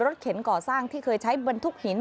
เข็นก่อสร้างที่เคยใช้บรรทุกหิน